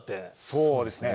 そうですね。